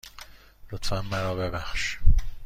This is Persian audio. لطفاً من را ببخش.